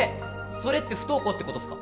それって不登校ってことっすか？